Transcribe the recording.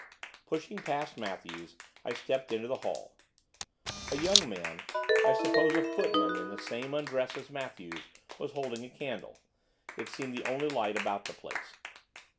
Pushing past Matthews, I stepped into the hall. A young man, I suppose a footman, in the same undress as Matthews, was holding a candle, it seemed the only light about the place.